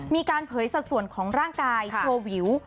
เผยสัดส่วนของร่างกายโชว์วิว